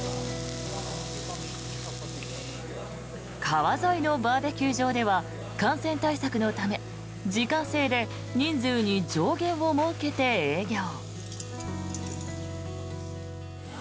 川沿いのバーベキュー場では感染対策のため時間制で人数に上限を設けて営業。